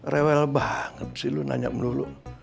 rewel banget sih lu nanya melulu